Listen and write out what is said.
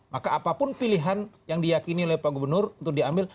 maka apapun pilihan yang diyakini oleh pak gubernur untuk diambil